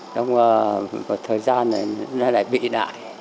trong thời gian này nó lại bị đại